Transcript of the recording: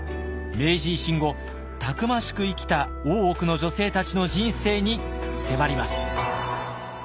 明治維新後たくましく生きた大奥の女性たちの人生に迫ります。